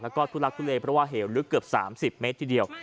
แล้วก็ทุลักษณ์ทุเรเพราะว่าเหี่ยวลึกเกือบสามสิบเมตรทีเดียว